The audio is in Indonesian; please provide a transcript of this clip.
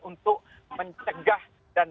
untuk mencegah dan